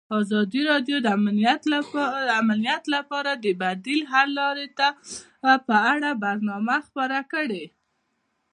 ازادي راډیو د امنیت لپاره د بدیل حل لارې په اړه برنامه خپاره کړې.